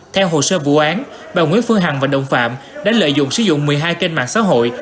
theo hồ sơ vụ án bà nguyễn phương hằng và đồng phạm đã lợi dụng sử dụng một mươi hai kênh mạng xã hội